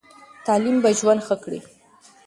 تعلیم به ژوند ښه کړي.